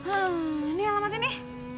ini alamatnya nih